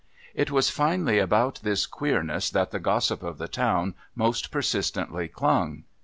It was finally about this "queerness" that the gossip of the town most persistently clung.